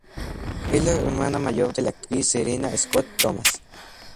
Es la hermana mayor de la actriz Serena Scott Thomas.